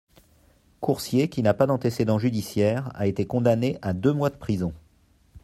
Coursier, qui n'a pas d'antécédents judiciaires, a été condamné à deux mois de prison.